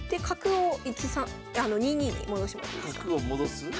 角を戻す？